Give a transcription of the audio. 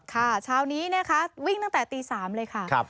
เช้านี้นะคะวิ่งตั้งแต่ตี๓เลยค่ะ